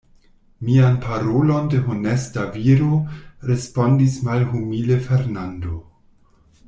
Mian parolon de honesta viro, respondis malhumile Fernando.